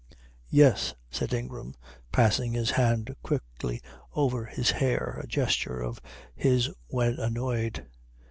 "Yes," said Ingram, passing his hand quickly over his hair, a gesture of his when annoyed.